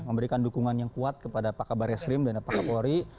memberikan dukungan yang kuat kepada pakar baris rim dan pakar polri